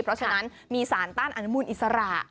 เพราะฉะนั้นมีสารต้านอนุมูลอิสระ